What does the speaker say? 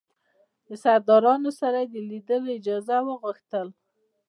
د سردارانو سره د لیدلو اجازه وغوښتل.